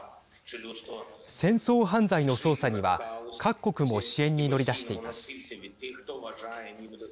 戦争犯罪の捜査には各国も支援に乗り出しています。